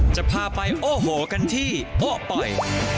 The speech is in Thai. จะพาไปโอ้โหกันที่โป๊ะปล่อย